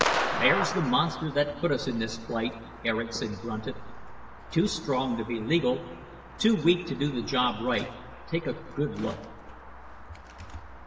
"There's the monster that put us in this plight," Erickson grunted. "Too strong to be legal, too weak to do the job right. Take a good look!"